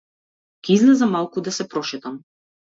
Ќе излезам малку да се прошетам.